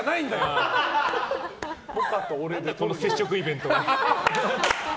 何だこの接触イベント。